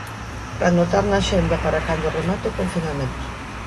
Pra anotar na axenda para cando remate o confinamento.